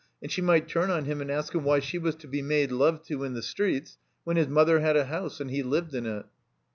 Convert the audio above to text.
And she might turn on him and ask him why she was to be made love to in the streets when his mother had a house and he lived in it?